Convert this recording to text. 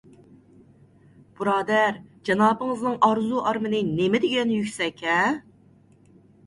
بۇرادەر، جانابىڭىزنىڭ ئارزۇ - ئارمىنى نېمىدېگەن يۈكسەك - ھە!